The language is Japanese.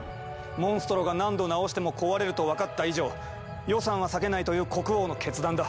モンストロが何度なおしても壊れると分かった以上予算は割けないという国王の決断だ。